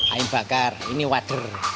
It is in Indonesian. air bakar ini wader